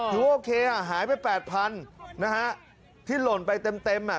โอเคอ่ะหายไปแปดพันนะฮะที่หล่นไปเต็มเต็มอ่ะ